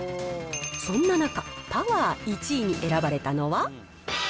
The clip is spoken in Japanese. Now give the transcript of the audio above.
そんな中、パワー１位に選ばれたのは。